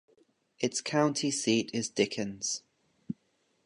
Its county seat is Dickens.